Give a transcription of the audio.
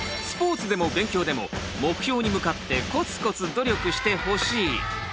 スポーツでも勉強でも目標に向かってコツコツ努力してほしい。